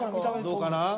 どうかな。